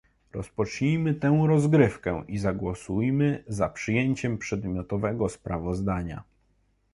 Rozpocznijmy tę rozgrywkę i zagłosujmy za przyjęciem przedmiotowego sprawozdania